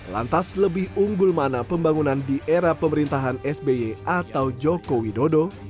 lantas lebih unggul mana pembangunan di era pemerintahan sbi atau jokowi dodo